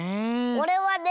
おれはね